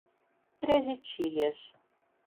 Treze Tílias